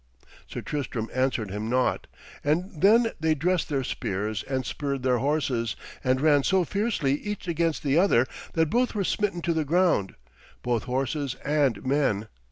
Sir Tristram answered him naught, and then they dressed their spears and spurred their horses, and ran so fiercely each against the other that both were smitten to the ground, both horses and men.